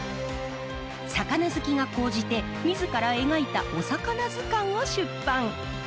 魚好きが高じて自ら描いた「おさかな図鑑」を出版。